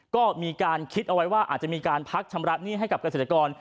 ก็มีการคิดเอาไว้ว่าอาจจะมีการพักชำระหนี้ให้กับเกษตรกร